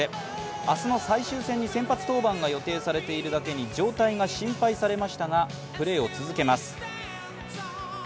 明日の最終戦に先発登板が予定されているだけに状態が心配されましたがプレーを続けます。